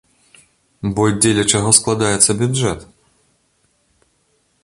Бо дзеля чаго складаецца бюджэт?